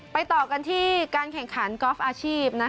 ต่อกันที่การแข่งขันกอล์ฟอาชีพ